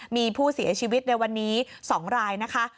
มีผู้เสียชีวิตในวันนี้๒รายนะคะ